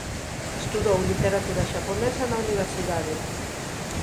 Estudou literatura xaponesa na universidade.